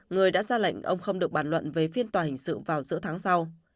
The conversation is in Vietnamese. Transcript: người đã ra lệnh ông không được bàn luận về phiên tòa hình sự vào giữa tháng sau